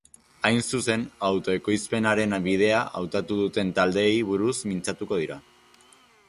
Hain zuzen, autoekoizpenaren bidea hautatu duten taldeei buruz mintzatuko dira.